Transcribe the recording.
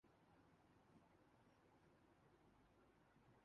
بس انہیں دبائے رکھو، ڈھانپے رکھو۔